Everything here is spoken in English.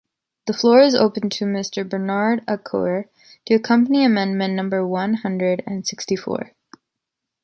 The floor is open to Mr Bernard Accoyer to support amendment number one hundred and sixty-four.